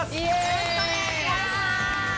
よろしくお願いします。